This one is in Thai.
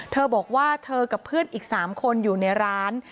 เธอบอกว่าเธอกับเพื่อนอีก๓คนอยู่ในร้าน